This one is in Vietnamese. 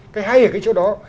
cái hay ở cái chỗ đó